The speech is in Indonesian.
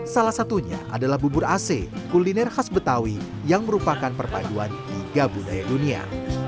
salah satunya adalah bubur ac kuliner khas betawi yang merupakan perpaduan tiga budaya dunia